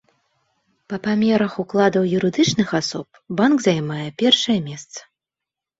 Па памерах укладаў юрыдычных асоб банк займае першае месца.